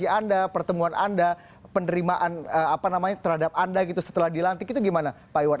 bagi anda pertemuan anda penerimaan apa namanya terhadap anda gitu setelah dilantik itu gimana pak iwan